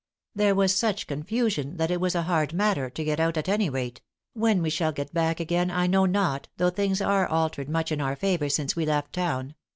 There was such confusion that it was a hard matter to get out at any rate; when we shall get back again I know not, though things are altered much in our favor since we left town.